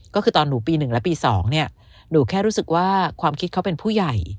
ก็คือตอนหนูปี๑และปี๒หนูแค่รู้สึกว่าความคิดเขาเป็นผู้ใหญ่